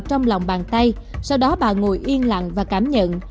trong lòng bàn tay sau đó bà ngồi yên lặng và cảm nhận